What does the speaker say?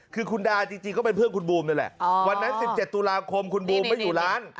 คือคุณดาจริงก็เป็นเพื่อนคุณบูมนั่นแหละวันนั้น๑๗ตุลาคมคุณบูมไม่อยู่ร้าน